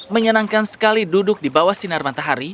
menyenangkan sekali duduk di bawah sinar matahari